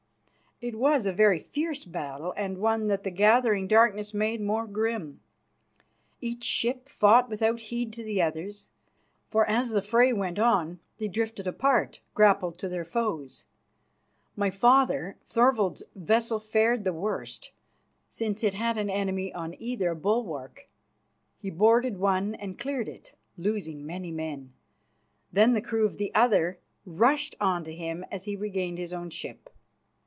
It was a very fierce battle, and one that the gathering darkness made more grim. Each ship fought without heed to the others, for as the fray went on they drifted apart, grappled to their foes. My father, Thorvald's, vessel fared the worst, since it had an enemy on either bulwark. He boarded one and cleared it, losing many men. Then the crew of the other rushed on to him as he regained his own ship.